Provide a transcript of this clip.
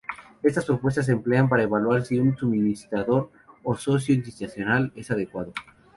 Estas propuestas se emplean para evaluar si un suministrador o socio institucional es adecuado.